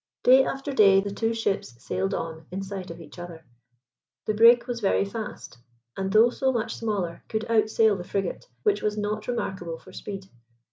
Day after day the two ships sailed on in sight of each other. The brig was very fast, and, though so much smaller, could outsail the frigate, which was not remarkable for speed.